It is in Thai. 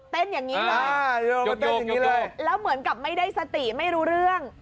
เต้นอย่างนี้เลยแล้วเหมือนกับไม่ได้สติไม่รู้เรื่อง